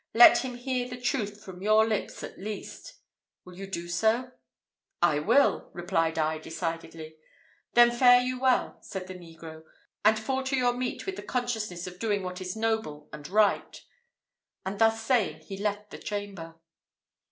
Let him hear the truth from your lips at least. Will you do so?" "I will!" replied I, decidedly. "Then fare you well!" said the negro, "and fall to your meat with the consciousness of doing what is noble and right." And thus saying he left the chamber.